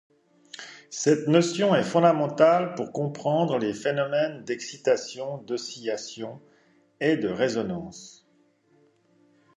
Cette notion est fondamentale pour comprendre les phénomènes d'excitation, d'oscillation et de résonance.